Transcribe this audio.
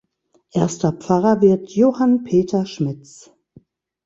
Erster Pfarrer wird Johann Peter Schmitz.